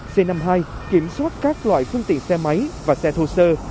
c năm mươi hai kiểm soát các loại phương tiện xe máy và xe thô sơ